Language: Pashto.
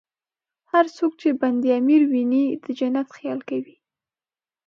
هر څوک چې بند امیر ویني، د جنت خیال کوي.